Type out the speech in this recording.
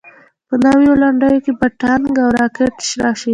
په نویو لنډیو کې به ټانک او راکټ راشي.